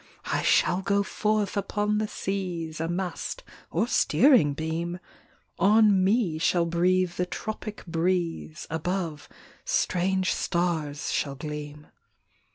"I shall go forth upon the seas, A mast, or steering beam; On me shall breathe the tropic breeze, Above, strange stars shall gleam.'